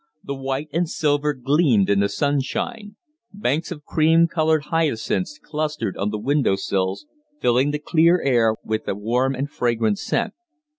The white and silver gleamed in the sunshine; banks of cream colored hyacinths clustered on the window sills, filling the clear air with a warm and fragrant scent.